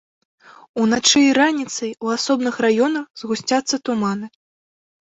Уначы і раніцай у асобных раёнах згусцяцца туманы.